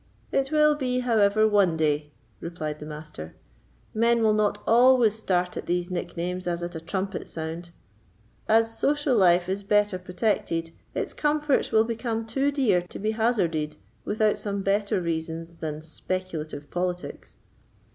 "It will be, however, one day," replied the Master; "men will not always start at these nicknames as at a trumpet sound. As social life is better protected, its comforts will become too dear to be hazarded without some better reasons than speculative politics."